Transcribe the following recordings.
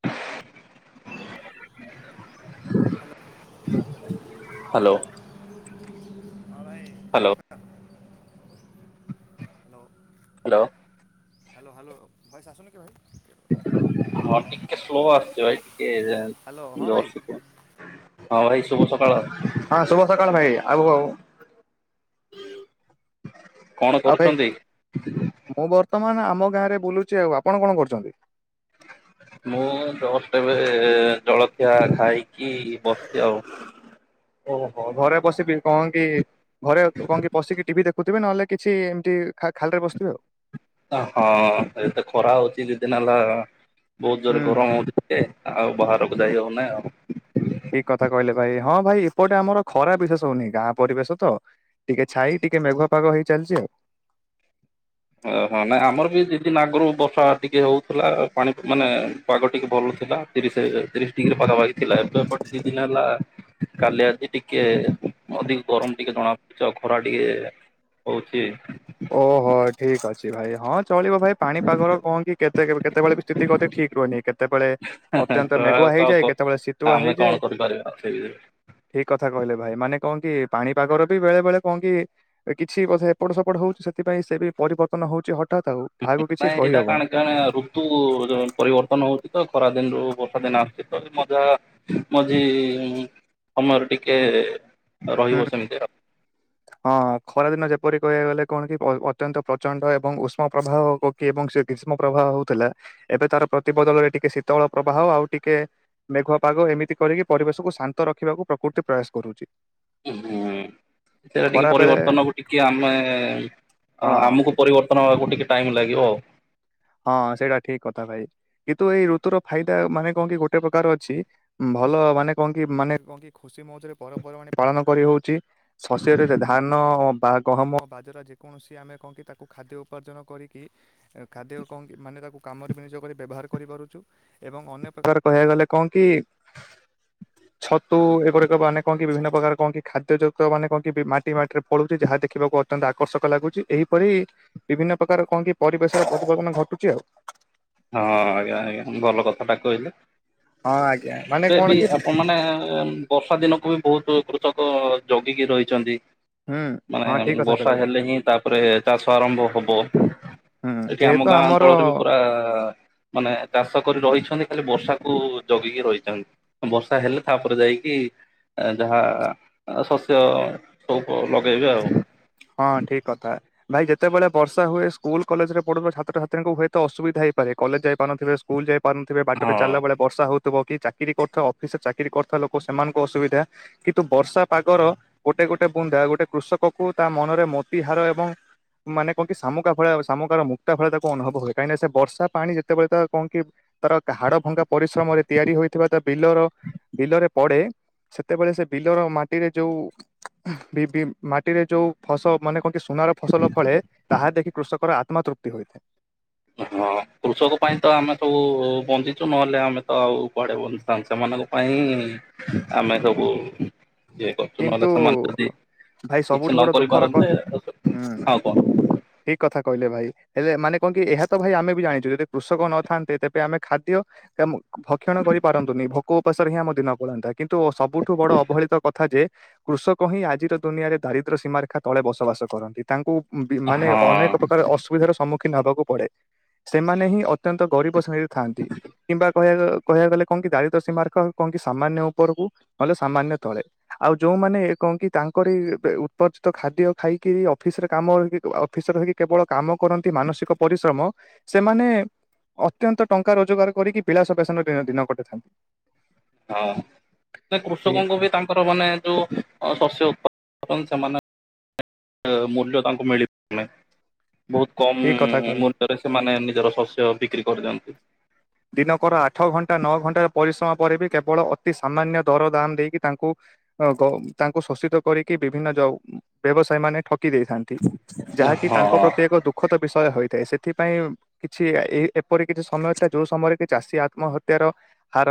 [inaudible] Hello hello. Hello hello hello voice ଆସୁନି କି ଭାଇ? ହଁ ଟିକେ ସ୍ଲୋ ଆସୁଛି ବ ଭାଇ ଟିକେ ହ୍ୟାଲୋ ହଁ ଭାଇ। ଜୋର ସେ କୁହନ୍ତୁ ହଁ ଭାଇ ଶୁଭ ସକାଳ। ହଁ ଶୁଭ ସକାଳ ଭାଇ ଆଉ କହୁ ହଁ ଆଉ ଭାଇ ମୁଁ ବର୍ତ୍ତମାନ ଆମ ଗାଁରେ ବୁଲୁଛି ଆଉ ଆପଣ କଣ କରୁଛନ୍ତି? ମୁଁ ଜଷ୍ଟ ଏବେ ଜଳଖିଆ ଖାଇକି ବସି ଆଉ। ଓହୋ ଘରେ ବସିକି କଣ କି ଘରେ କଣ କି ବସିକି ଟିଭି ଦେଖ ଖୁଥିବେ ନହେଲେ କିଛି ଏମିତି ଖାଲିରେ ବସିଥିବେ ଆଉ। ହଁ ଏତେ ଖରା ହଉଛି ଦି ଦିନ ହେଲା ବହୁତ ହୁଁ ଜୋରେ ହୁଁ ଗରମ ହଉଛି। ଆଉ ବାହାରକୁ ଯାଇ ହଉ ନାହିଁ ଆଉ। ଠିକ କଥା କହିଲେ ଭାଇ ହଁ ଭାଇ ଏପଟେ ଆମର ଖରା ବିଶେଷ ହଉନି ଗାଁ ପରିବେଶ ତ। ଟିକେ ଛାଇ ଟିକେ ମେଘୁଆପାଗ ହେଇ ଚାଲିଛି ଓହୋ ନାଇଁ ଆମର ବି ଦୀଦିନ ଆଗରୁ ବର୍ଷା ଟିକେ ହଉଥିଲା ପାଣି ମାନେ ପାଗ ଟିକେ ଭଲ ଥିଲା। ତିରିଶ ତିରିଶ ଡିଗ୍ରୀ ପାଖା ପକ୍ଷୀ ଥିଲା ଏବେ ଗୋଟେ ଦି ଦିନ ହେଲା। କାଲି ଆଜି ଟିକେ ଅଧିକ ଗରମ ଟିକେ ଜଣା ପଡୁଛି ଖରା ଟିକେ। ହଉଛି। ଓହୋ ଠିକ୍ ଅଛି ଭାଇ ହଁ ଚଳିବ ଭାଇ ପାଣି ପାଗର କଣ କି କେତେ କେତେବେଳେ ବି ସ୍ଥିତି ଗତିି ଠିକ ରହୁହନି କେତବେଳେ ତ ଅତ୍ୟନ୍ତ ଆଉ ମେଘୁଆ ହେଇଯାଏ କେତେବେଳେ ଶୀତୁଆ ହେଇଯାଏ। ସେଇ ଠିକ କଥା କହିଲେ ଭାଇ ମାନେ କନ କି ପାଣିପାଗର ବି ବେଳେ ବେଳେ କଣ କି କିଛି ବୋଧେ ଏପଟ ସେପଟ ହଉଛି ସେଥିପାଇଁ ସେ ବି ପରିବର୍ତ୍ତନ ହଉଛି ହଠାତ୍ ଆଉ। କାହାକୁ କିଛି ହ ଏଇଟା କହିହବ କଣ କଣ ରୁ ଋତୁ ପରିବର୍ତ୍ତନ ହଉଛି ତ ଖରା ଦିନରୁ ବର୍ଷା ଦିନ ଆସୁଛି ତ ମଜା ମଝି ସମୟରେ ଟିକେ ହୁଁ ରହିବ ସେମିତି ଆ [inaudible] ହଁ ଖରା ଦିନ ଯେପରି କହିବାକୁ ଗଲେ କଣ କି ଅତ୍ୟନ୍ତ ପ୍ରଚଣ୍ଡ ଏବଂ ଉଷ୍ମ ପ୍ରବାହ ଏବଂ ସେ ଗ୍ରୀଷ୍ମ ପ୍ରବାହ ହଉଥିଲା ଏବେ ତାର ପ୍ରତିବଦଳରେ ଟିକେ ଶୀତଳ ପ୍ରବାହ ଆଉ ଟିକେ ମେଘୁଆ ପାଗ ଏମିତି କରିକି ପରିବେଶକୁ ଶାନ୍ତ ରଖିବାକୁ ପ୍ରକୃତି ପ୍ରୟାସ କରୁଛି। ହୁଁ ସେଟା ଟିକେ ଖରା ବେଳେ ପରିବର୍ତ୍ତନକୁ ଟିକେ ଆମେ ହଁ ଆମକୁ ପରିବର୍ତ୍ତନ ହେବାକୁ ଟିକେ ଟାଇମ୍ ଲାଗିବ ଆଉ। ହଁ ସେଇଟା ଠିକ କଥା ଭାଇ କିନ୍ତୁ ଏଇ ଋତୁର ଫାଇଦା ମାନେ କଣ କି ଗୋଟେ ପ୍ରକାର ଅଛି ଭଲ ମାନେ କଣ କି ମାନେ କଣ କି ଖୁସି ମଉଜରେ ପର୍ବପର୍ବାଣି ପାଳନ କରି ହଉଛି। ଶସ୍ୟ ରେ ଧାନ ବା ଗହମ ବାଜରା ଯେକୌଣସି ଆମେ କଣ କି ତାକୁ ଖାଦ୍ୟ ଉପାର୍ଜନ କରିକି ଏ ଖାଦ୍ୟ କୁ କଣ କି ମାନେ ତାକୁ କାମରେ ବିନିଯୋଗ କରି ବ୍ୟବହାର ହାର କରିପାରୁଛୁ, ଏବଂ ଅନ୍ୟ ପ୍ରକାର କହିବାକୁ ଗଲେ କଣ କି? [inaudible] ଛତୁ ଏଗୁଡାକ ମାନେ କଣ କି ବିଭିନ୍ନ ପ୍ରକାର କଣ କି, ଖାଦ୍ୟ ଯୁକ୍ତ ମାନେ କଣ କି ମାଟି ମାଟିରେ ପଳଉଛି। ଯାହା ଦେଖିବାକୁ ଅ ଅତ୍ୟନ୍ତ ଆକର୍ଷକ ଲାଗୁଛି। ଏହିପରି ବିଭିନ୍ନ ପ୍ରକାର କଣ କି ପରିବେଶ ପରିବର୍ତ୍ତନ ଘଟୁଛି ଆଉ। ହଁ ଆଜ୍ଞା ଆଜ୍ଞା ଭଲ କଥାଟା କହିଲେ। ହଁ ଆଜ୍ଞା ମାନେ ଏବେ କଣ ବି କି ଆପଣ ମାନେ। ବର୍ଷା ଦିନକୁ ବି ବହୁତ କୃଷକ ଜଗିକି ରହିଛନ୍ତି। ହୁଁ ମାନେ ହଁ ଠିକ କଥା ବର୍ଷା କହିଲେ ଭାଇ ହେଲେ ହିଁ ତାପରେ ଚାଷ ଆରମ୍ଭ ହବ। ହୁଁ ଏଠି ଆମ ଯେହେତୁ ଗାଁ ଆମର ଅଞ୍ଚଳରେ ବି ପୁରା। ମାନେ ଚାଷ କରି ରହିଛନ୍ତି, ଖାଲି ବର୍ଷାକୁ ଜଗିକି ରହିଛନ୍ତି। ବର୍ଷା ହେଲେ ତାପରେ ଯାଇକି ଯାହା ଶସ୍ୟ ସବୁ ଲଗାଇବେ ଆଉ। ହଁ ଠିକ କଥା। ଭାଇ ଯେତେବେଳେ ବର୍ଷା ହୁଏ ସ୍କୁଲ କଲେଜରେ ପଢୁଥିବା ଛାତଛାତ୍ରୀଙ୍କୁ ହୁଏତ ଅସୁବିଧା ହେଇପାରେ। କଲେଜ ଯାଇପାରୁନଥିବ ସ୍କୁଲ ଯାଇ ପାରୁନଥିବେ ବାଟରେ ହଁ। ଚାଲଲା ବେଳେ ବର୍ଷା ହଉଥିବ। କି ଚାକିରି କରୁଥିବା ଅଫିସରେ ଚାକିରି କରୁଥିବା ଲୋକ ସେମାନଙ୍କୁ ଅସୁବିଧା। କିନ୍ତୁ ବର୍ଷା ପାଗର ଗୋଟେ ଗୋଟେ ବୁନ୍ଦା ଗୋଟେ କୃଷକ କୁ ତା ମନରେ ମୋତିହାର ଏବଂ ମାନେ କଣ କି ଶାମୁକା ଭଳିଆ ଶାମୁକାର ମୁକ୍ତା ଭଳିଆ ତାକୁ ଅନୁଭବ ହୁଏ। କାହିଁକି ସେ ବର୍ଷା ପାଣି ଯେତେବେଳେ ତ କଣ କି? ତାର ହାଡ ଭଙ୍ଗା ପରିଶ୍ରମରେ ତିଆରି ହୋଇଥିବା ତା ବିଲର ବିଲରେ ପଡେ ସେତେବେଳେ ସେ ବିଲର ମାଟିରେ ଯୋଉ ବିଭି ମାଟିରେ ଯୋଉ ଫସ ମାନେ କଣ କି ସୁନାର ଫସଲ ଫଳେ, ତାହା ଦେଖି କୃଷକର ଆତ୍ମା ତୃପ୍ତି ହୋଇଥାଏ। ହଁ କୃଷକ ପାଇଁ ତ ଆମେ ସବୁ ବଞ୍ଚିଛୁ, ନହେଲେ ଆମେ ତ ଆଉ କୁଆଡେ ବନ ପାଞ୍ଚ ମାନଙ୍କ ପାଇଁ ଆମେ ସବୁ ଇଏ କରୁଛୁ। କିନ୍ତୁ ନହେଲେ ସେମାନେ ଯଦି ଭାଇ କିଛି ସବୁଠୁ ନ ବଡ଼ କରି ଦୁଃଖର କ ପାରନ୍ତେ ହୁଁ ଆଉ କଣ? ଠିକ କଥା କହିଲେ ଭାଇ। ହେଲେ ମାନେ କଣ କି ଏହା ତ ଭାଇ ଆମେ ବି ଜାଣିଛୁ, ଯଦି କୃଷକ ନଥାଆନ୍ତେ ତେବେ ଆମେ ଖାଦ୍ୟ ଏବଂ ଭକ୍ଷଣ କରିପାରନ୍ତୁନି ଭୋକ ଉପାସରେ ହିଁ ଆମ ଦିନ ପଳାନ୍ତା। କିନ୍ତୁ ସବୁଠୁ ବଡ ଅବହେଳିତ କଥା ଯେ, କୃଷକ ହିଁ ଆଜିର ଦୁନିଆରେ ଦାରିଦ୍ର୍ୟ ସୀମାରେଖା ତଳେ ବସବାସ କରନ୍ତି। ତାଙ୍କୁ ବି ମାନେ ହଁ ଅନେକ ପ୍ରକାର ଅସୁବିଧାର ସମ୍ମୁଖୀନ ହବାକୁ ପଡେ। ସେମାନେ ହିଁ ଅତ୍ୟନ୍ତ ଗରିବ ଶ୍ରେଣୀରେ ଥାଆନ୍ତି। କିମ୍ବା କହିବା କହିବା ଗଲେ କଣ କି, ଦାରିଦ୍ର ସୀମାରକ କଣ କି ସାମାନ୍ୟ ଉପରକୁ ନହେଲେ ସାମାନ୍ୟ ତଳେ। ଆଉ ଯଉମାନେ କଣ କି, ତାଙ୍କରି ଉ ଉତ୍ପର୍ଜିତ ଖାଦ୍ୟ ଖାଇକି ଅଫିସରେ କାମ ଅଫିସର ହେଇକି କେବଳ କାମ କରନ୍ତି ମାନସିକ ପରିଶ୍ରମ ସେମାନେ ଅତ୍ୟନ୍ତ ଟଙ୍କା ରୋଜଗାର କରିକି ବିଳାସ ବସନ ଦି ଦିନ କଟେଇଥାନ୍ତି। ହଁ, ନା ଠିକ କୃଷକଙ୍କୁ ବି ତାଙ୍କର ମାନେ ଯୋଉ ହ ଶସ୍ୟ ଉପା ସେମାନେ ମୂଲ୍ୟ ତାଙ୍କୁ ମିଳିପାରୁନହି। ବହୁତ ଠିକ କମ କଥା କହିଲେ ମୂଲ୍ୟରେ ସେମାନେ ନିଜର ଶସ୍ୟ ବିକ୍ରି କରିଦିଅନ୍ତି। ଦିନକର ଆଠ ଘଣ୍ଟା ନଅ ଘଣ୍ଟା ପରିଶ୍ରମ ପରେ ବି, କେବଳ ଅତି ସାମାନ୍ୟ ଦର ଦାମ ଦେଇକି ତାଙ୍କୁ ହଁ ଗ ତାଙ୍କୁ ଶୋଷିତ କରିକି ବିଭିନ୍ନ ଯ ବ୍ୟବସାୟୀ ମାନେ ଠକି ଦେଇଥାନ୍ତି। ଯାହାକି ହଁ ତାଙ୍କ ପ୍ରତି ଏକ ଦୁ ଦୁଃଖଦ ବିଷୟ ହୋଇଥାଏ। ସେଥିପାଇଁ କିଛି ଏ ଏପରି କିଛି ସମୟ ଥା ଯୋଉ ସମୟରେ କି ଚାଷୀ ଆତ୍ମହତ୍ୟାର ହାର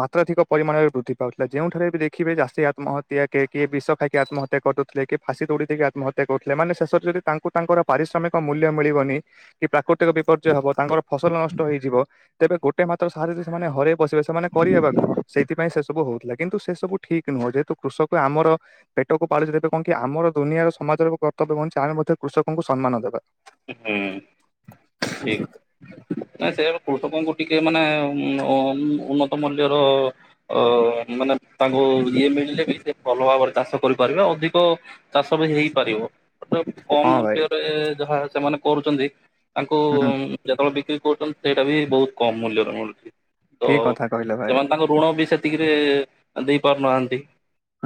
ମାତ୍ରାଧିକ ପରିମାଣରେ ବୃଦ୍ଧି ପାଉଥିଲା, ଯେଉଠାରେ ବି ଦେଖିବେ ଚାଷୀ ଆତ୍ମହତ୍ୟା କେ କିଏ ବିଷ ଖାଇକି ଆତ୍ମହତ୍ୟା କରିଦୋ ଥିଲେ କି ଫାଶୀ ଦୋଉଡି ଦେଇକି ଆତ୍ମହତ୍ୟା କରୁଥିଲେ। ମାନେ ଶେଷରେ ଯଦି ତାଙ୍କୁ ତାଙ୍କର ପାରିଶ୍ରମିକ ମୂଲ୍ୟ ମିଳିବନି କି ପ୍ରାକୃତିକ ବିପର୍ଯ୍ୟୟ ହବ ତାଙ୍କର ଫସଲ ନଷ୍ଟ ହେଇଯିବ। ତେବେ ଗୋଟେ ମାତ୍ର ସାହାରା ଯେ ସେ ମାନେ ହରେ ବସିବେ ସେମାନେ କରିବେ ବା କଣ ସେଇଥିପାଇଁ ସେ ସବୁ ହଉଥିଲା, କିନ୍ତୁ ସେ ସବୁ ଠିକ ନୁହଁ। ଯେହେତୁ କୃଷକ ଆମର ପେଟକୁ ପାଳୁଚି ତେବେ କଣକି ଆମର ଦୁନିଆର ସମାଜର ଏବେ କର୍ତ୍ତବ୍ୟ କଣ ଆମେ ମଧ୍ୟ କୃଷକଙ୍କୁ ସମ୍ମାନ ଦେବା। ହୁଁ ଠିକ। ନା ସେଇଆ ବା କୃଷକଙ୍କୁ ଟିକେ ମାନେ ଉ ଉଁ ଉନ୍ନତ ମୂଲ୍ୟର ଅ ମାନେ ତାଙ୍କୁ ଇଏ ମିଳିଲେ ବି ସେ ଭଲ ଭାବରେ ଚାଷ କରିପାରିବେ ଅଧିକ ଚାଷ ବି ହେଇପାରିବ। କମ ହଁ ଭାଇ ମୂଲ୍ୟରେ ଯାହା ସେମାନେ କରୁଛନ୍ତି ତାଙ୍କୁ ହୁଁ ଯେତେବେଳେ ବିକ୍ରି କରୁଛନ୍ତି ସେଇଟା ବି ବହୁତ କମ ମୂଲ୍ୟରେ ମିଳୁଛି। ତ ଠିକ କଥା କହିଲେ ଭାଇ ସେମାନେ ତାଙ୍କ ଋଣ ବି ସେତିକିରେ ଦେଇପାରୁନାହାନ୍ତି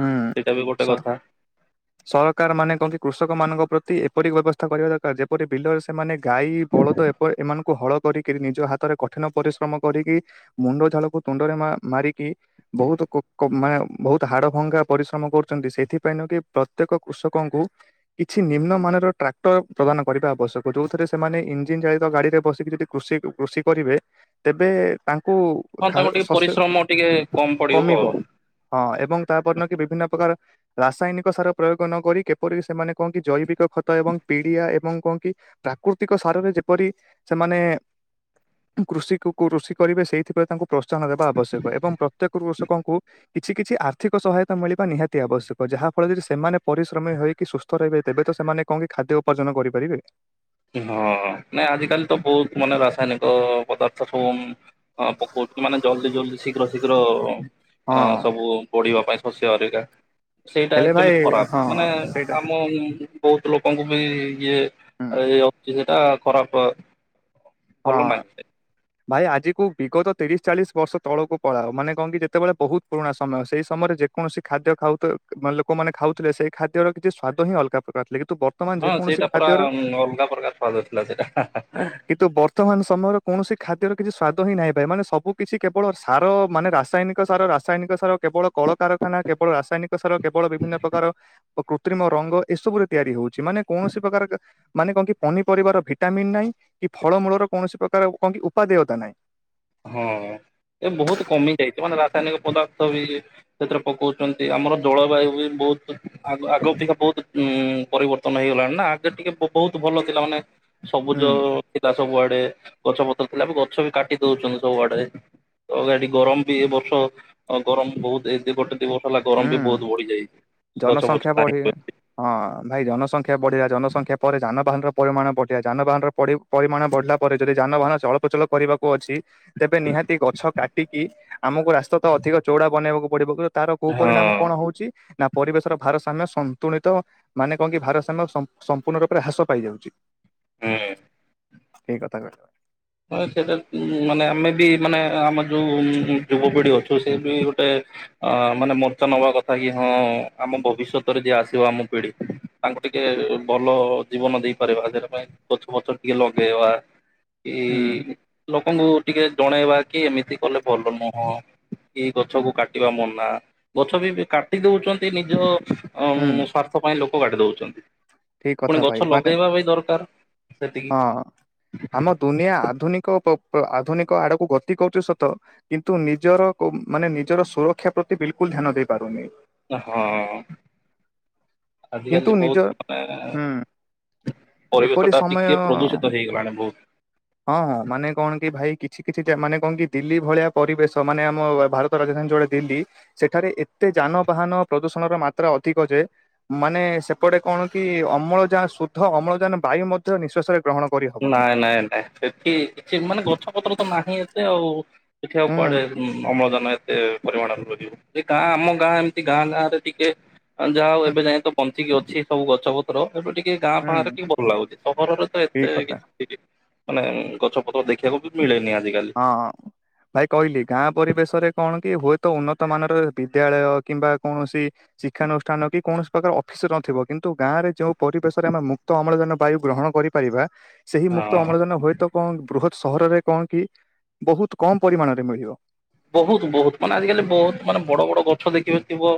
ହୁଁ। ବି ସ ଗୋଟେ କଥା। ସରକାର ମାନେ କହନ୍ତି କି କୃଷକ ମାନଙ୍କ ପ୍ରତି ଏପରି ବ୍ୟବସ୍ଥା କରିବା ଦରକାର ଯେପରି ବିଲ ସେମାନେ ଗାଈ ବଳଦ ଏପ ଏମାନଙ୍କୁ ହଳ କରିକି ନିଜ ହାତରେ କଠିନ ପରିଶ୍ରମ କରିକି ମୁଣ୍ଡ ଝାଳକୁ ତୁଣ୍ଡରେ ମା ମାରିକି ବହୁତ କୁ କୁ ମାନେ ବହୁତ ହାଡ ଭଙ୍ଗା ପରିଶ୍ରମ କରୁଛନ୍ତି। ସେଥିପାଇଁ ନକି ପ୍ରତ୍ୟେକ କୃଷକଙ୍କୁ କିଛି ନିମ୍ନମାନାନର ଟ୍ରାକ୍ଟର ପ୍ରଦାନ କରିବା ଆବଶ୍ୟକ। ଯୋଉଥିରେ ସେମାନେ ଇଞ୍ଜିିନ ଚାଳିତ ଗାଡିରେ ବସିକି କୃଷି କୃଷି କରିବେ ତେବେ ତାଙ୍କୁ ହଁ ଖା ତାଙ୍କୁ ଟିକେ ଶସ୍ୟ ପରିଶ୍ରମ ଟିକେ କମ ପଡିବ କମିବ ଆଉ। ହଁ ଏବଂ ତାପର ଦିନ କି ବିଭିନ୍ନ ପ୍ରକାର ରାସାୟନିକ କ ସାର ପ୍ରୟୋଗ ନକରି କେପରି ସେମାନେ କଣ କି ଜୈବିକ ଖତ ଏବଂ ପିଡିଆ ଏବଂ କଣ କି ପ୍ରାକୃତିକ ସାରରେ ଯେପରି ସେମାନେ କୃଷିକୁ କୃଷି କରିବେ ସେଇଥି ପ୍ରତି ତାଙ୍କୁ ପ୍ରୋତ୍ସାହନ ଦେବା ଆବଶ୍ୟକ ଏବଂ ପ୍ରତ୍ୟେକ କୃଷକଙ୍କୁ କିଛି କିଛି ଆର୍ଥିକ ସହାୟତା ମିଳିବା ନିହାତି ଆବଶ୍ୟକ ଯାହା ଫଳରେ ଯଦି ସେମାନେ ପରିଶ୍ରମୀ ହେଇକି ସୁସ୍ଥ ରହିବେ ତେବେ ତ ସେମାନେ କଣ କି ଖାଦ୍ୟ ଉପାର୍ଜନ କରିପାରିବେ। ହଁ ନାଇ ଆଜିକାଲି ତ ବୋହୁତ ମାନେ ରାସାୟନିକ ପଦାର୍ଥ ସବୁ ହଁ ପକୋଉଚୁ ମାନେ ଜଲଦି ଜଲଦି ଶୀଘ୍ର ଶୀଘ୍ର ହଁ ଆ ସବୁ ବଢିବା ପାଇଁ। ଶଶ୍ୟହରିକା ସେଇଟା ହେଲେ ଭାଇ ଆକଚୋଲି ହଁ ଖରାପ ମାନେ ସେଇଟା ଆମେ ବୋହୁତ ଲୋକଙ୍କୁ ବି ଇଏ ହୁଁ ଆଏ ଅତିଶୟଟା ଖରାପ। ଭଲ ହଁ। ନାହିଁ। ଭାଇ ଆଜିକୁ ବିଗତ ତିରିଶ ଚାଳିଶ ବର୍ଷ ତଳକୁ ପଳାଅ ମାନେ କଣ କି ଯେତେବେଳେ ବୋହୁତ ପୁରୁଣା ସମୟ ସେଇ ସମୟରେ ଯେ କୌଣସି ଖାଦ୍ୟ ଖାଉ ତ ମାନେ ଲୋକମାନେ ଖାଉଥିଲେ ସେଇ ଖାଦ୍ୟର କିଛି ସ୍ଵାଦ ହିଁ ଅଲଗା ପ୍ରକାର ଥିଲା କି ହଁ ସେଇଟା ପୁରା ଅଲଗା ପ୍ରକାର ସ୍ଵାଦ ଥିଲା ସେଇଟା ହା ହା। କିନ୍ତୁ ବର୍ତ୍ତମାନ ସମୟରେ କୌଣସି ଖାଦ୍ୟର କିଛି ସ୍ୱାଦ ହିଁ ନାହିଁ ଭାଇ ମାନେ ସବୁ କିଛି କେବଳ ସାର ମାନେ ରାସାୟନିକ ସାର ରାସ୍ ରାସାୟନିକ ସାର କେବଳ କଳକାରଖାନା କେବଳ ରାସାୟନିକ ସାର କେବଳ ବିଭିନ୍ନ ପ୍ରକାର ଓ କୃତ୍ରିମ ରଙ୍ଗ ଏସବୁରେ ତିଆରି ହୋଉଚି ମାନେ କୌଣସି ପ୍ରକାର ଏକ ମାନେ କଣ କି ପନିପରିବାର ଭିଟାମନ୍ ନାହିଁ କି ଫଳମୂଳର କୌଣସି ପ୍ରକାର କଣ ଉପାଦେୟତା ନାହିଁ। ହଁ ଏ ବୋହୁତ କମିଯାଇଚି ମାନେ ରାସାୟନିକ ପଦାର୍ଥ ବି ସେଥିରେ ପକୋଉଚନ୍ତି ଆମର ଜଳବାୟୁ ବି ବୋହୁତ ଆଗ-ଆଗ ଅପେକ୍ଷା ବୋହୁତ ଉଁ ପରିବର୍ ତ୍ତନ ହେଇଗଲାଣି ନା ଆଗେ ଟିକେ ବୋ-ବୋହୁତ ଭଲ ଥିଲା ମାନେ ସବୁଜ ହୁଁ ଥିଲା ସବୁଆଡେ ଗଛପତ୍ର ଥିଲା ଏବେ ଗଛବି କାଟି ଦୋଉଚନ୍ତି ସବୁ ଆଡେ ତ ଏଡି ଗରମ ବି ଏ ବର୍ଷ ଅ ଗରମ ବୋହୁତ ଏତେ ଗୋଟେ ଦି ବର୍ଷ ହେଲା ଗରମ ବି ହୁଁ। ବୋହୁତୁ ବଢି ଯାଇଚି ଗଛ ଫଛ ଜନସଂଖ୍ୟା ବଢି [inaudible] ହଁ ଭାଇ ଜନସଂଖ୍ୟା ବଢିଲା ଜନସଂଖ୍ୟା ପରେ ଯାନବାହାନର ପରିମାଣ ବଢିଲା ଯାନବାହାନର ପଡି ପରିମାଣ ବଢିଲା ପରେ ଯଦି ଯାନବାହାନ ଚଳପ୍ରଚଳ କରିବାକୁ ଅଛି ତେବେ ନିହାତି ଗଛ କାଟିକି ଆମକୁ ରାସ୍ତା ତ ଅଧିକ ଚୋଉଡା ବନେଇବାକୁ ପଡିବ କିନ୍ତୁ ତାର କୁ ହଁ ପରିଣାମ କଣ ହୋଉଚି ନା ପରିବେଶର ଭାରସାମ୍ୟ ସନ୍ତୁଳିତ ମାନେ କଣ କି ଭାରସ୍ୟାମ ସଂପ୍ ସମ୍ପୂର୍ଣ୍ଣ ରୂପରେ ହ୍ରାସ ପାଇଯାଉଚି। ହୁଁ। ଠିକ କଥା କହିଲ। ହଁ ସେଟା ଉଁ ମାନେ ଆମେ ବି ମାନେ ଆମ ଯୋଉ ଯୁବପିଢି ଅଛୁ ସେ ବି ଗୋଟେ ଅ ମାନେ ମୋର୍ଚ୍ଚା ନବା କଥା କି ହଁ ଆମ ଭବିଷ୍ୟତରେ ଯିଏ ଆସିବ ଆମ ପିଢି ତାଙ୍କୁ ଟିକେ ଭଲ ଜୀବନ ଦେଇପାରିବା ଯାହା ପାଇଁ ଗଛ ପଛ ଟିକେ ଲଗେଇବା। ହୁଁ କି ଲୋକଙ୍କୁ ଟିକେ ଜଣେଇବା କି ଏମିତି କଲେ ଭଲ ନୁହଁ। କି ଗଛକୁ କାଟିବା ମନା ଗଛ ବି ଏବେ କାଟି ଦୋଉଚନ୍ତି ନିଜ ଅଁ ହୁଁ ଉମ୍ ସ୍ଵାର୍ଥ ପାଇଁ ଲୋକ କାଟି ଦୋଉଚନ୍ତି ଠିକ ପୁଣି କଥା ଭାଇ ଗଛ ମାନେ ଲଗେଇବା ବି ଦରକାର। ସେତିକି ହଁ ଆମ ଦୁନିଆ ଆଧୁନିକ ପ ପ ଆଧୁନିକ ଆଡକୁ ଗତି କରୁଚି ସତ କିନ୍ତୁ ନିଜର କୋଉ ମାନେ ନିଜର ସୁରକ୍ଷା ପ୍ରତି ବିଲକୁଲ୍ ଧ୍ୟାନ ଦେଇପାରୁନି। ହଁ କିନ୍ତୁ ଆଜିିକାଲି ନିଜ ବୋହୁତ ମାନେ ହୁଁ ଏପରି ପରିବେଶଟା ସମୟ ଟିକେ ପ୍ରଦୂଷିତ ହେଇଗଲାଣି ବୋହୁତ। ହଁ ହଁ ମାନେ କଣ କି ଭାଇ କିଛି କିଛି ଯା ମାନେ କଣ କି ଦିଲ୍ଲୀ ଭଳିଆ ପରିବେଶ ମାନେ ଆମ ଭାର ତ ରାଜଧାନୀ ଯୋଉଟା ଦିଲ୍ଲୀ ସେଠାରେ ଏତେ ଯାନବାହାନ ପ୍ରଦୂଷଣର ମାତ୍ରା ଅଧିକ ଯେ ମାନେ ସେପଟେ କଣ କି ଅମ୍ଳଯାନ ଶୁଦ୍ଧ ଅମ୍ଳଯାନ ବାୟୁ ମଧ୍ୟ ନିଶ୍ଵାସରେ ଗ୍ରହଣ କରିହବନି। ନାଇଁ ନାଇଁ ନାଇଁ ସେଠି କିଛି ମାନେ ଗଛ ପତ୍ର ତ ନାହିଁ ଏତେ ଆଉ। ସେଠି ଆଉ ହୁଁ କୁଆଡେ ଉଁ ଅମ୍ଳଯାନ ଏ ତେ ପରିମାଣର ଲଗେଇବେ ଯେ କା ଆମ ଗାଁ ଏମତି ଗାଁ ନାଁରେ ଟିକେ ହଁ ଯାହା ହୋଉ ହୁଁ ଏବେ ଯାଏଁ ତ ପ ଯେତିକି ଅଛି ସବୁ ଗଛପତ୍ର ଏଠୁ ଟିକେ ଗାଁ ହୁଁ ଫାଁରେ ଟିକେ ଭଲ ଲାଗୁଚି ସହରରେ ତ ଏ ଠିକ କଥା। ଏଠି ମାନେ ଗଛ ପତ୍ର ଦେଖିବାକୁ ବି ମିଳେନି ଆଜିକାଲି। ହଁ। ଭାଇ କହିଲି ଗାଁ ପରିବେଶରେ କଣ କି ହୁଏତ ଉନ୍ନତ ମାନର ବିଦ୍ୟାଳୟ କିମ୍ବା କୌଣସି ଶିକ୍ଷାନୁଷ୍ଠାନ କି କୌଣସି ପ୍ରକାର ଅଫିସ ନଥିବ କିନ୍ତୁ ଗାଁ ରେ ଯେଉଁ ପରିବେଶରେ ଆମେ ମୁକ୍ତ ଅମ୍ଳଜାନ ବାୟୁ ଗ୍ରହଣ କରିପାରିବା ସେହି ମୁକ୍ତ ହଁ। ଅମ୍ଳଜାନ ହୁଏ ତ କଣ ବୃହତ୍ ସହରରେ କଣ କି ବହୁତ କମ୍ ପରିମାଣରେ ମିଳିବ। ବହୁତ ବହୁତ ମାନେ ଆଜିକାଲି ବହୁତ ମାନେ ବଡ ବଡ ଗଛ ଦେଖିବ ଥିବ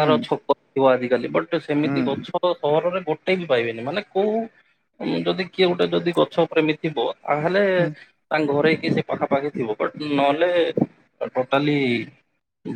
ହୁଁ ଛକ ଥିବ ଆଜିକାଲି ବଟ୍ ହୁଁ ସେମିତି ଗଛ ତ ସହରରେ ଗୋଟେ ବି ପାଇବେନି ମାନେ କୋଉ ଯଦି କିଏ ଗୋଟେ ଯଦି ଗଛ ପ୍ରେମୀ ଥିବ ଆହେଲେ ହୁଁ। ତାଙ୍କ ଘରେ କି ସେ ପାଖା ପାାଖି ଥିବ ବଟ ନଅଲେ ଆଉ ଟୋଟାଲି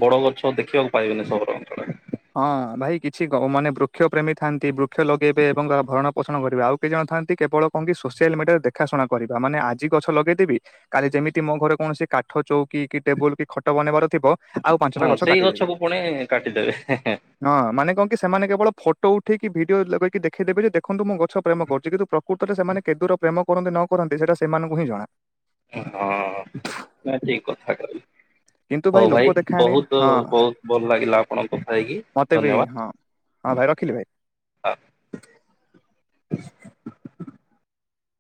ବଡ ଗଛ ଦେଖିବାକୁ ପାଇବେନି ସହର ଅଞ୍ଚଳରେ। ହଁ ଭାଇ କିଛି କ ମାନେ ବୃକ୍ଷ ପ୍ରେମୀ ଥାଆନ୍ତି ବୃକ୍ଷ ଲଗେଇବେ ଏବଂ ଭରଣ ପୋଷଣ ଣ କରିବା ଆଉ କେହି ଜଣ ଥାଆନ୍ତି କେବଳ କଣ କି ସୋସିଆଲ ମିଡିଆରେ ଦେଖାଶୁଣା କରିବା ମାନେ ଆଜି ଗଛ ଲଗେଇଦେବି କାଲି ଯେମିତି ମୋ ଘରେ କୌଣସି କାଠ ଚୌକି, କି ଟେବୁଲ, କି ଖଟ, ବନେଇବାର ଥିବ ଆଉ ପାଞ୍ଚଟା ହଁ ଗଛ ସେଇ କାଟିଦେବି ଗଛକୁ ପୁଣି କାଟିଦେବେ ହେଁ ହେଁ। ହଁ ମାନେ କଣ କି ସେମାନେ କେବଳ ଫଟୋ ଉଠେଇକି ଭିଡିଓ ଲବେଇକି ଦେଖେଇଦେବେ ଯେ ଦେଖନ୍ତୁ ମୁଁ ଗ ଛ ପ୍ରେମ କରୁଛି କିନ୍ତୁ ପ୍ରକୃତରେ ସେମାନେ କେଦୁର ପ୍ରେମ କରନ୍ତି ନ କରନ୍ତି ସେଇଟା ସେମାନଙ୍କୁ ହିଁ ଜଣା। ହଁ ନାଇଁ ଠିକ୍ କଥା କହିଲେ। କିନ୍ତୁ ହଉ ଲୋକ ଭାଇ ଦେଖାଆଣି ବହୁତ ହଁ ବହୁତ ଭଲ ଲାଗିଲା ଆପଣଙ୍କ କଥା ହେଇକି ମତେ ବି ଧନ୍ୟବାଦ। ହଁ ହଁ ଭାଇ ରଖିଲି ଭାଇ।